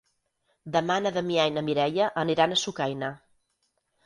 Demà na Damià i na Mireia aniran a Sucaina.